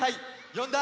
よんだ？